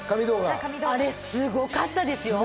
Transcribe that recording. あれすごかったですよ。